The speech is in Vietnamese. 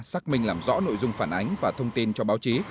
xác minh làm rõ nội dung phản ánh và thông tin cho báo chí